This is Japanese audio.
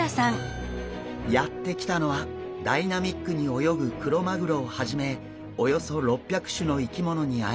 やって来たのはダイナミックに泳ぐクロマグロをはじめおよそ６００種の生き物に会える水族館。